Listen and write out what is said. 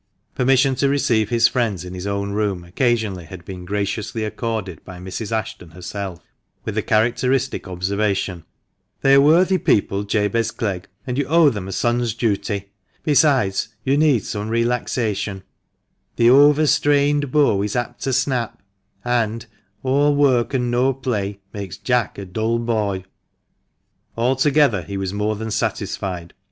Permission to receive his friends in his own room occasionally had been graciously accorded by Mrs. Ashton herself, with the characteristic observation — "They are worthy people, Jabez Clegg, and you owe them a son's duty ; besides, you need some relaxation —' The over strained bow is apt to snap,' and 'All work and no play makes Jack a dull boy.'" Altogether he was more than satisfied.